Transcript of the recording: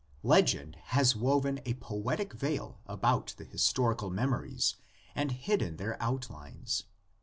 Legend has woven a poetic veil about the historical memories and hidden their outlines.